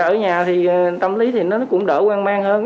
ở nhà thì tâm lý cũng đỡ quan mang hơn